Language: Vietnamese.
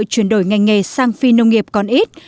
chuyển đổi ngành nghề sang phi nông nghiệp còn ít